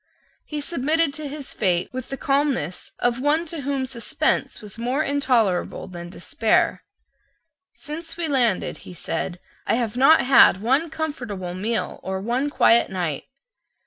He submitted to his fate with the calmness of one to whom suspense was more intolerable than despair. "Since we landed," he said, "I have not had one comfortable meal or one quiet night."